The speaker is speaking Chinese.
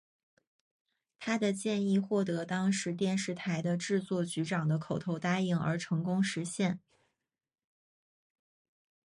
他的建议获得当时电视台的制作局长的口头答应而成功实现。